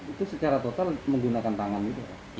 itu secara total menggunakan tangan juga